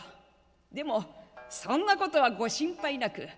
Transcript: でもそんなことはご心配なく。